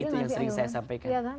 itu yang sering saya sampaikan